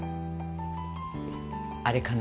あれかな？